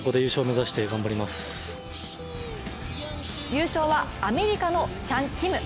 優勝はアメリカのチャン・キム。